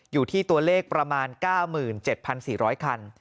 อยู่ที่ตัวเลขประมาณ๙๗๔๐๐คัน